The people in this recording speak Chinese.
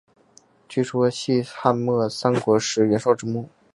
据说系汉末三国时袁绍之墓。